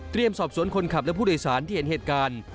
สอบสวนคนขับและผู้โดยสารที่เห็นเหตุการณ์